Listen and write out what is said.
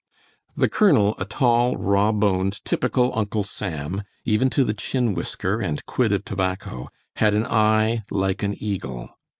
The colonel, a tall, raw boned, typical "Uncle Sam," even to the chin whisker and quid of tobacco, had an eye like an eagle.